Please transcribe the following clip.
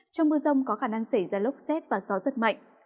trong mưa rông có khả năng xảy ra lốc xét và gió rất mạnh